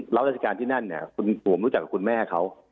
ราชการที่นั่นเนี่ยผมรู้จักกับคุณแม่เขา